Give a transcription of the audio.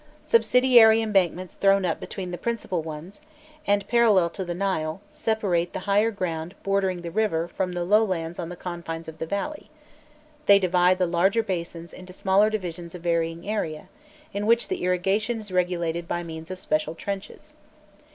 Subsidiary embankments thrown up between the principal ones, and parallel to the Nile, separate the higher ground bordering the river from the low lands on the confines of the valley; they divide the larger basins into smaller divisions of varying area, in which the irrigation is regulated by means of special trenches.